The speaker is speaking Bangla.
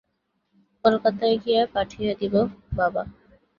কলকাতায় গিয়া পাঠিয়ে দেব বাবা।